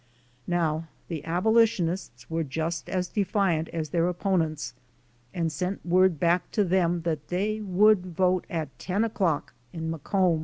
Now the abolitionists were just as defiant as their op ponents and sent word back to them that they would vote at 10 o'clock in Macomb.